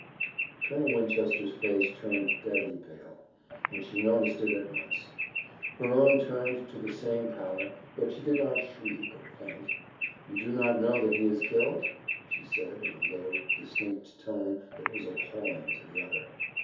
Colonel Winchester's face turned deadly pale, and she noticed it at once. Her own turned to the same pallor, but she did not shriek or faint. "You do not know that he is killed?" she said in a low, distinct tone that was appalling to the other.